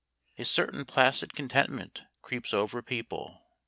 A certain placid contentment creeps over people.